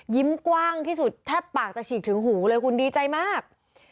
กว้างที่สุดแทบปากจะฉีกถึงหูเลยคุณดีใจมาก